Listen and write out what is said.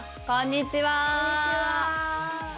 こんにちは！